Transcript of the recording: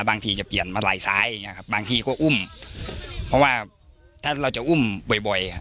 บางทีจะเปลี่ยนมาไหล่ซ้ายอย่างเงี้ครับบางทีก็อุ้มเพราะว่าถ้าเราจะอุ้มบ่อยบ่อยอ่ะ